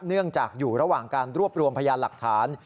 เนื่องจากอยู่ระหว่างการรวบรวมพยานหลักฐาน